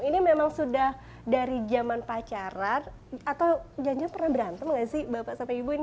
ini memang sudah dari zaman pacaran atau janji pernah berantem gak sih bapak sama ibu ini